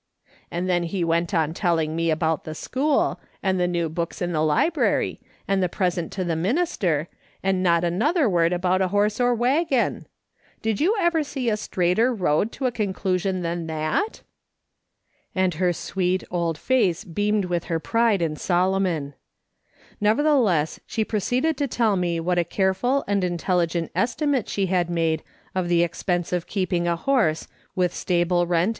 And tlien he went on telling me about the school, and the new books in the library, and the present to the minister, and not another word about a horse or waggon ! Did you ever see a straighter road to a conclusion than that ?" and her sweet old face beamed with her pride in Solomon. Nevertheless, she proceeded to tell me what a careful and intelligent estimate she had made of the expense of keeping a horse, with stable rent, MEDITATIONS THAT MEANT SOMETHING.